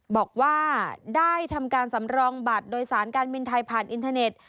บอกว่าได้ทำการสำรองบัตรโดยสารการบินไทยผ่านอินเทอร์เน็ต